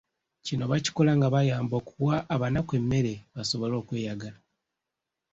Kino bakikola nga bayamba okuwa abanaku emmere basobole okweyagala.